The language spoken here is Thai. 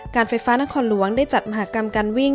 การไฟฟ้านครหลวงได้จัดมหากรรมการวิ่ง